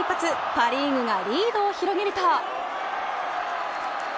パ・リーグがリードを広げると。